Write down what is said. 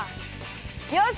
よし！